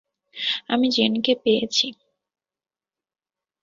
আমি জেন কে পেয়েছি।